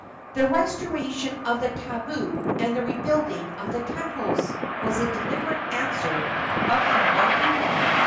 "The restoration of the tabu and the rebuilding of the temples," was the deliberate answer of Hewahewa.